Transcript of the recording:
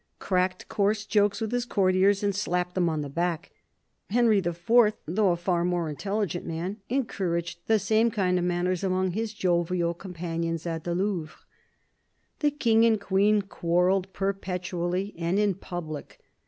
cracked coarse jokes with his courtiers and slapped them on the back. Henry IV., though a far more intelligent man, encouraged the same kind of manners among his jovial companions at the Louvre. The King and Queen quarrelled perpetually, and in public.